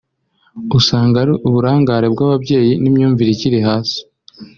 usanga ari uburangare bw’ababyeyi n’imyumvire ikiri hasi